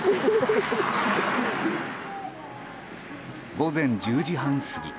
午前１０時半過ぎ。